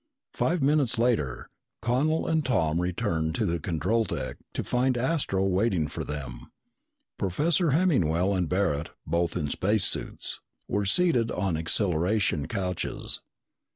Five minutes later, Connel and Tom returned to the control deck to find Astro waiting for them. Professor Hemmingwell and Barret, both in space suits, were seated on acceleration couches.